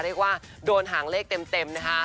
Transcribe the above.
เรียกว่าโดนหางเลขเต็มนะคะ